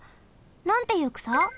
なんていうくさ？